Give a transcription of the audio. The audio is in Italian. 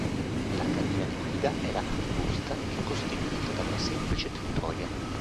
La cabina di guida era angusta e costituita da una semplice tettoia.